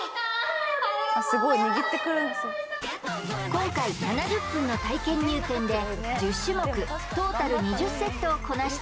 今回７０分の体験入店で１０種目トータル２０セットをこなし